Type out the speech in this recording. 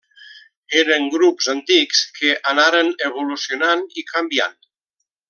Eren grups antics que anaren evolucionant i canviant.